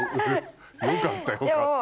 よかったよかった。